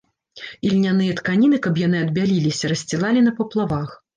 Ільняныя тканіны, каб яны адбяліліся, рассцілалі на паплавах.